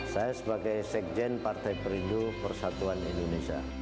saya sebagai sekjen partai perindu persatuan indonesia